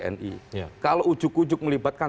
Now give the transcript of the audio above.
ni kalau ujuk ujuk melibatkan